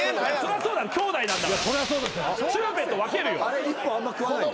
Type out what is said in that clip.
あれ１本あんま食わない。